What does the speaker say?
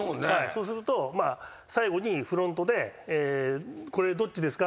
そうすると最後にフロントで「これどっちですか？」